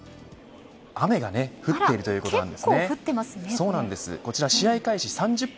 雨がね降っているということで。